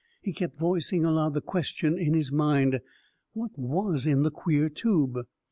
He kept voicing aloud the question in his mind; what was in the queer tube?